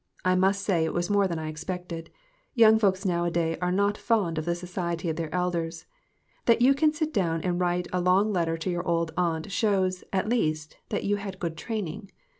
I must say it was more than I expected. Young folks nowadays are not fond of the society of their elders. That you can sit down and write a long letter to your old aunt shows, at least, that you had good training.